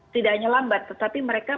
tidak hanya lambat tetapi mereka